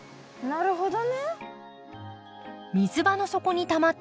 なるほど。